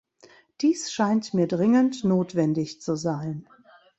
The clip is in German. Dies scheint mir dringend notwendig zu sein.